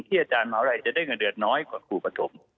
ที่อาจารย์มหาวไลจะได้เงินเดือดน้อยกว่าครูปฐม